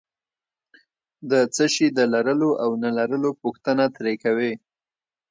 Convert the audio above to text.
د څه شي د لرلو او نه لرلو پوښتنه ترې کوي.